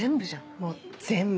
もう全部。